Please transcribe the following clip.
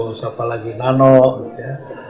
untuk mengembangkan dari teman teman di sekolah